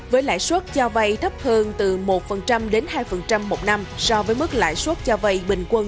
với lãi suất cho vay thấp hơn từ một đến hai một năm so với mức lãi suất cho vay bình quân